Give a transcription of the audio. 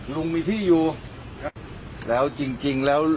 พี่มีที่อยู่ครับครับแล้ว